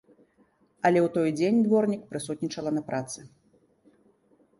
Але ў той дзень дворнік прысутнічала на працы.